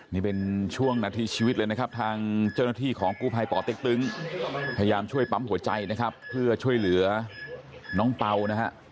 นี่เป็นช่วงนาทีชีวิตเลยนะครับทางเจ้าหน้าที่ของกู้ภัยป่อเต็กตึงพยายามช่วยปั๊มหัวใจนะครับเพื่อช่วยเหลือน้องเปล่านะฮะ